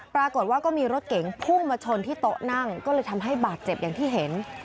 ปรากฏว่าก็มีรถเก๋งพุ่งมาชนที่โต๊ะนั่งก็เลยทำให้บาดเจ็บอย่างที่เห็น